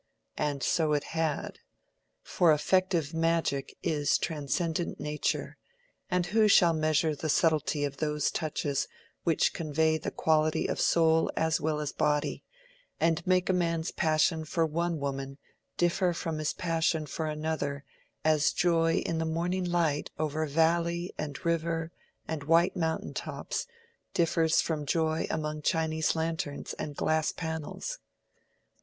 And so it had. For effective magic is transcendent nature; and who shall measure the subtlety of those touches which convey the quality of soul as well as body, and make a man's passion for one woman differ from his passion for another as joy in the morning light over valley and river and white mountain top differs from joy among Chinese lanterns and glass panels?